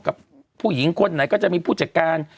กับผู้หญิงคนไหนก็จะมีผู้จัดการ